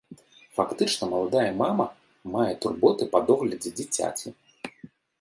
Фактычна маладая мама, мае турботы па доглядзе дзіцяці.